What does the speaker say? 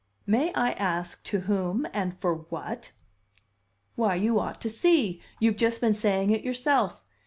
"May I ask to whom and for what?" "Why, you ought to see! You've just been saying it yourself.